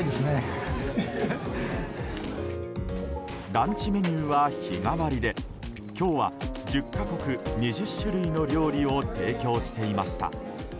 ランチメニューは日替わりで今日は１０か国２０種類の料理を提供していました。